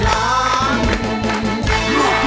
ร้องถือกับ